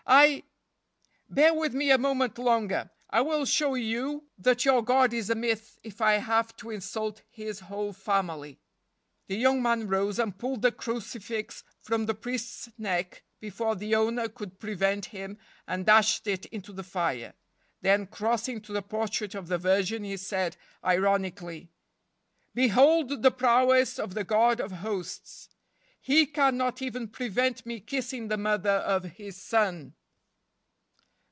I "" Bear with me a moment longer. I will show you [ 38 ] that your God is a myth if I have to insult His whole family." The young man rose and pulled the crucifix from the priest's neck before the owner could prevent him and dashed it into the fire. Then, crossing to the portrait of the Virgin, he said, ironically: " Behold the prowess of the God of Hosts. He can not even prevent me kissing the Mother of His Son."